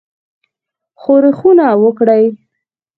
ښورښونه وکړي.